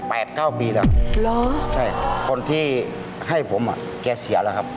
แปดเก้าปีแล้วใช่ครับคนที่ให้ผมแกเสียแล้วครับ